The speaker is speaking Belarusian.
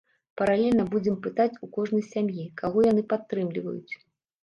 Паралельна будзем пытаць у кожнай сям'і, каго яны падтрымліваюць.